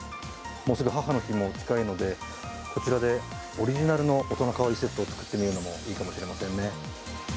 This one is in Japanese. もうすぐ母の日も近いのでこちらでオリジナルの大人かわいいセットを贈ってみるのもいいかもしれませんね。